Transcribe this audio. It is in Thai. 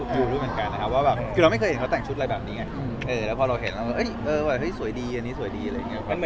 ยื้อกันจนถาม